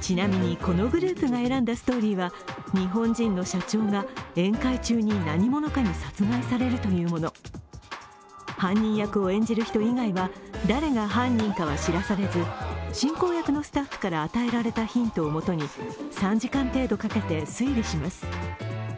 ちなみに、このグループが選んだストーリーは、日本人の社長が宴会中に何者かに殺害されるというもの犯人役を演じる人以外は誰が犯人かは知らされず進行役のスタッフから与えられたヒントをもとに、３時間程度かけて推理します。